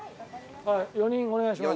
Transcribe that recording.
４人お願いします。